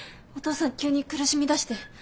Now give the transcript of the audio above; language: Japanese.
お父さん急に苦しみだして。